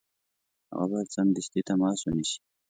هغه باید سمدستي تماس ونیسي.